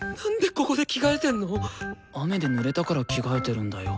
雨でぬれたから着替えてるんだよ。